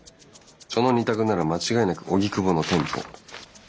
その二択なら間違いなく荻窪の店舗。